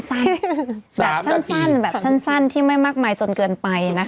สั้นแบบสั้นแบบสั้นที่ไม่มากมายจนเกินไปนะคะ